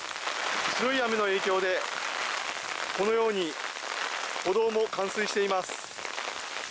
強い雨の影響で、このように歩道も冠水しています。